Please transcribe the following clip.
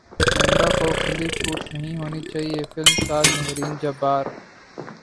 پیمرا کو کھلی چھوٹ نہیں ہونی چاہیے فلم ساز مہرین جبار